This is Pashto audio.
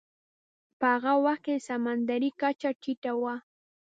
په هغه وخت کې سمندرې کچه ټیټه وه.